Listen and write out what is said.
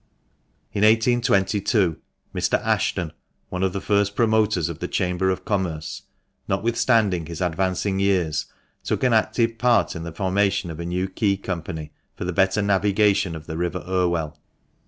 In 1822 Mr. Ashton (one of the first promoters of the Chamber of Commerce), notwithstanding his advancing years, took an active part in the formation of a New Quay Company, for the better navigation of the river Irwell.